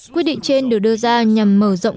quyết định trên được đưa ra nhằm mở rộng